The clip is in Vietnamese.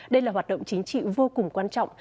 đây là hoạt động chính trị vô cùng quan trọng